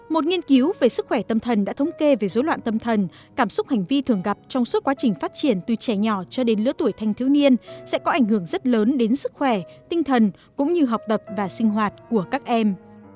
một nghiên cứu về sức khỏe tâm thần đã thống kê về dối loạn tâm thần cảm xúc hành vi thường gặp trong suốt quá trình phát triển từ trẻ nhỏ cho đến lứa tuổi thanh thiếu niên sẽ có ảnh hưởng rất lớn đến sức khỏe tinh thần cũng như học tập và sinh hoạt của các em